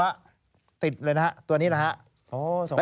จุดติดเลยตัวนี้นะ